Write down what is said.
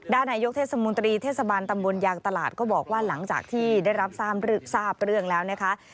นายกเทศมนตรีเทศบาลตำบลยางตลาดก็บอกว่าหลังจากที่ได้รับทราบเรื่องแล้วนะคะ